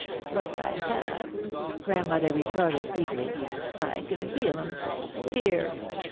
"But I have," Grandmother retorted, feebly. "I can feel 'em here."